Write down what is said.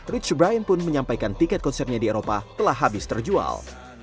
rich brian pun menyampaikan tiket konsernya di eropa telah habis terjual